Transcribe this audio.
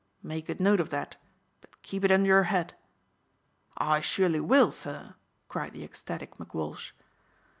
Make a note of that but keep it under your hat." "I surely will, sir," cried the ecstatic McWalsh.